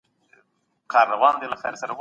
لوستې مور د ماشومانو د بدن ودې څارنه کوي.